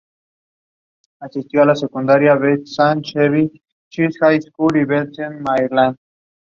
Klimov is the nearest rural locality.